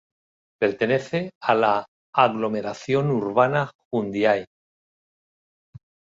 Pertenece a la Aglomeración Urbana Jundiaí.